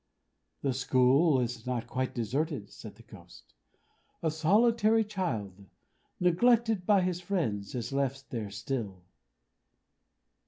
"The school is not quite deserted," said the Ghost. "A solitary child, neglected by his friends, is left there still."